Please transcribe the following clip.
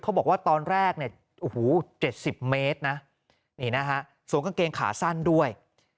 เขาบอกว่าตอนแรก๗๐เมตรนะสวงกางเกงขาสั้นด้วย